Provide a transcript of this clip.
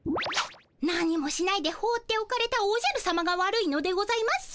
何もしないでほうっておかれたおじゃるさまが悪いのでございます。